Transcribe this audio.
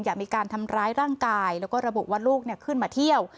มีการทำร้ายร่างกายแล้วก็ระบุว่าลูกขึ้นมาเที่ยว